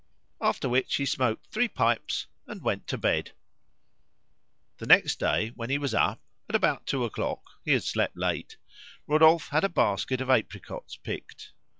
After which he smoked three pipes and went to bed. The next day when he was up (at about two o'clock he had slept late), Rodolphe had a basket of apricots picked.